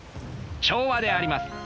調和であります！